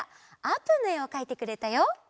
あーぷんのえをかいてくれたよ。